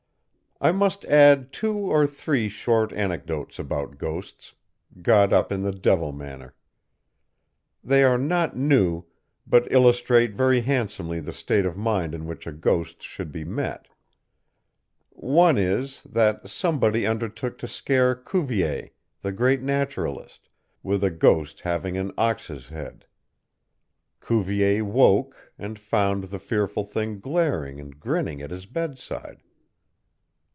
I must add two or three short anecdotes about ghosts, got up in the devil manner. They are not new, but illustrate very handsomely the state of mind in which a ghost should be met. One is, that somebody undertook to scare Cuvier, the great naturalist, with a ghost having an ox's head. Cuvier woke, and found the fearful thing glaring and grinning at his bedside.